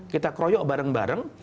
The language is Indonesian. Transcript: kita kroyok bareng bareng